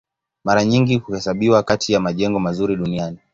Mara nyingi huhesabiwa kati ya majengo mazuri duniani.